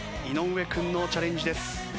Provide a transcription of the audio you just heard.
井上君のチャレンジです。